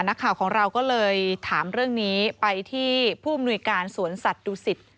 นักข่าวของเราก็เลยถามเรื่องนี้ไปที่ผู้อำนวยการสวนสัตว์ดูสิต